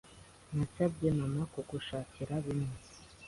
Nasabye Mama kugushakira bimwe.